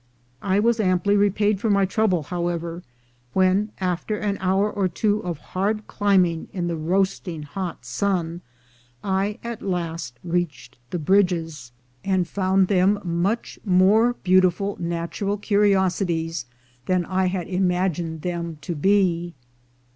I was amply repaid for my trouble, however, when, after an hour or two of hard climbing in the roasting hot sun, I at last reached the bridges, and found them 338 THE GOLD HUNTERS much more beautiful natural curiosities than I had imagined them to be.